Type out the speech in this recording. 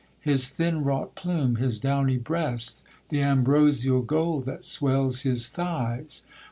His thin wrought plume, his downy breast, The ambrosial gold that swells his thighs.